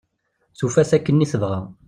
Tufa-t akken i tebɣa.